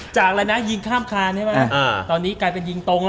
จากยิงข้ามคาญได้ยิงตัง